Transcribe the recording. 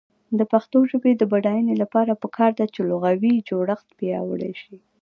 د پښتو ژبې د بډاینې لپاره پکار ده چې لغوي جوړښت پیاوړی شي.